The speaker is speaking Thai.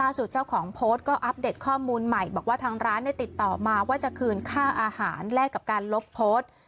เจ้าของโพสต์ก็อัปเดตข้อมูลใหม่บอกว่าทางร้านติดต่อมาว่าจะคืนค่าอาหารแลกกับการลบโพสต์